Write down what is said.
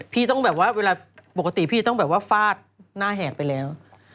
ปกติพี่ต้องแบบว่าฟาดหน้าแหกไปแล้ว